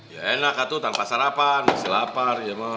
ya enak atuh tanpa sarapan masih lapar ya mah